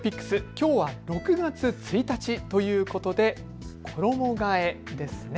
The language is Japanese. きょうは６月１日ということで衣がえですね。